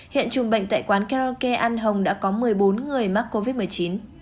hiện trùng bệnh tại quán karaoke ăn hồng đã có một mươi bốn người mắc covid một mươi chín